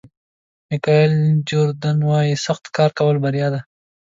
مایکل جوردن وایي سخت کار کول بریا ده.